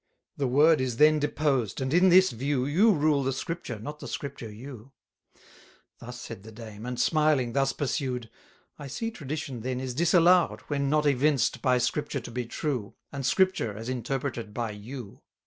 The Word is then deposed, and in this view, You rule the Scripture, not the Scripture you. Thus said the dame, and, smiling, thus pursued: I see Tradition then is disallow'd, When not evinced by Scripture to be true, 190 And Scripture, as interpreted by you.